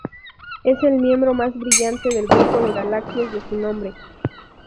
Es el miembro más brillante del grupo de galaxias de su nombre.